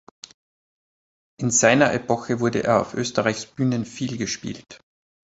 In seiner Epoche wurde er auf Österreichs Bühnen viel gespielt.